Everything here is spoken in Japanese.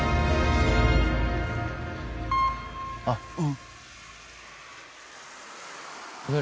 あっ。